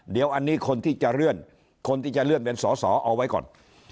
เดี๋ยวอันนี้คนที่จะเลื่อนคนที่จะเลื่อนเป็นสอสอเอาไว้ก่อน